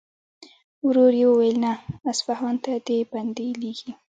ورو يې وويل: نه! اصفهان ته دې بندې لېږي.